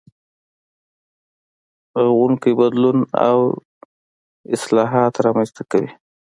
رغونکی بدلون او اصلاحات رامنځته کوي.